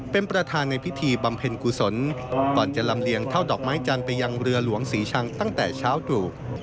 เป็นประธานในพิธีบำเพ็ญกุศลก่อนจะลำเลียงเท่าดอกไม้จันทร์ไปยังเรือหลวงศรีชังตั้งแต่เช้าตรู่